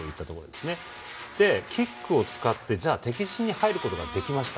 で、キックを使って敵陣に入ることができました。